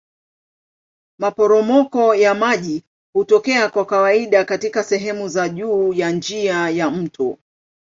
Maporomoko ya maji hutokea kwa kawaida katika sehemu za juu ya njia ya mto.